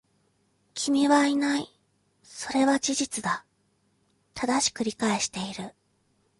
君はいない。それは事実だ。正しく理解している。